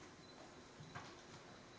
sejak dua hai tiga bulan belakangan ini